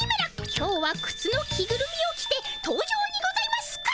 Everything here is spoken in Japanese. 今日はくつの着ぐるみを着て登場にございますか。